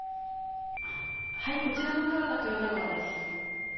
はいこちらの川が豊田川です。